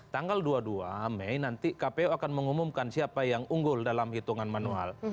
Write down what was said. tanggal dua puluh dua mei nanti kpu akan mengumumkan siapa yang unggul dalam hitungan manual